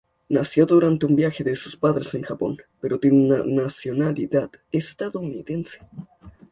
Nació durante un viaje de sus padres en Japón pero tiene nacionalidad estadounidense.